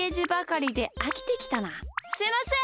すいません。